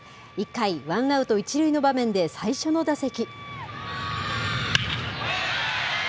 １回ワンアウト１塁の場面で、最初の打席。